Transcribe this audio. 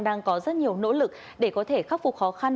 đang có rất nhiều nỗ lực để có thể khắc phục khó khăn